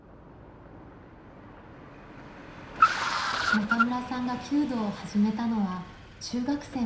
中村さんが弓道を始めたのは中学生の時。